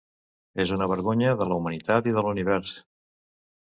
És una vergonya de la humanitat i de l’univers.